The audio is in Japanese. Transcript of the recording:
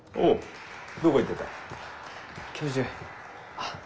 あっ。